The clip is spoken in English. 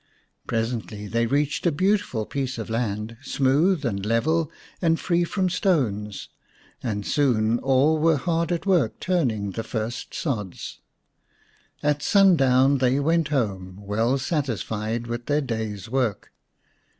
Presently they reached a beautiful piece of land, smooth and level and free from stones, and soon all were hard at work turning the first sods. At sun down they went home, well satisfied with their day's work.